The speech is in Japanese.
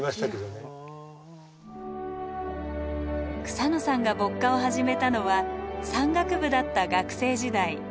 草野さんが歩荷を始めたのは山岳部だった学生時代。